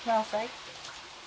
って。